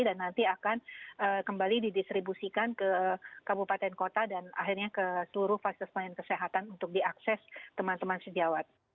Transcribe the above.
dan nanti akan kembali didistribusikan ke kabupaten kota dan akhirnya ke seluruh fasilitas penyelenggaraan kesehatan untuk diakses teman teman sejawat